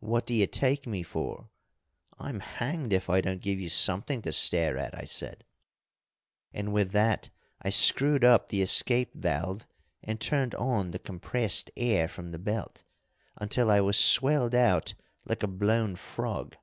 'What d'ye take me for? I'm hanged if I don't give you something to stare at,' I said, and with that I screwed up the escape valve and turned on the compressed air from the belt, until I was swelled out like a blown frog.